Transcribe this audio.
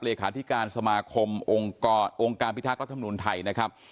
เลขาธิการสมาคมองค์การพิทักษ์รัฐมนุนไทยนะครับ